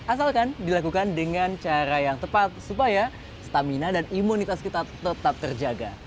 asalkan dilakukan dengan cara yang tepat supaya stamina dan imunitas kita tetap terjaga